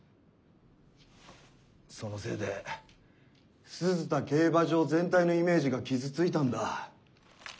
そのせいで鈴田競馬場全体のイメージが傷ついたんだ。